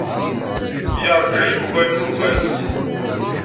Yeṛǧa Yuba nnuba-s.